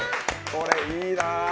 これいいな。